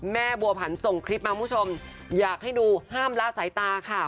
แม่บัวผันส่งคลิปมาคุณผู้ชมอยากให้ดูห้ามละสายตาค่ะ